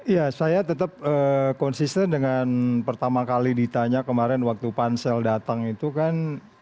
ya saya tetap konsisten dengan pertama kali ditanya kemarin waktu pansel datang itu kan